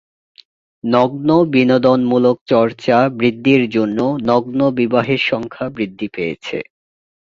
নগ্ন বিনোদনমূলক চর্চা বৃদ্ধির জন্য নগ্ন বিবাহের সংখ্যা বৃদ্ধি পেয়েছে।